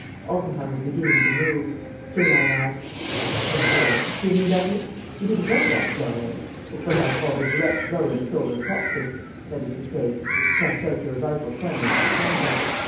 Altenheim was beginning to move. Sernine asked: "Well, baron, feeling better? You didn't know that blow, eh? It's what I call the direct blow in the solar plexus; that is to say, it snuffs out your vital sun like a candle.